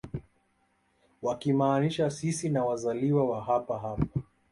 Wakimaanisha sisi ni wazaliwa wa hapa hapa